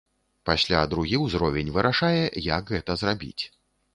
Пасля другі ўзровень вырашае, як гэта зрабіць.